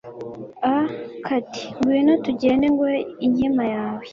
a kati ' ngwino tugende nguhe inkima yawe